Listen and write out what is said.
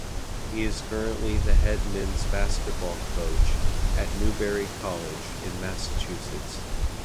He is currently the head men's basketball coach at Newbury College in Massachusetts.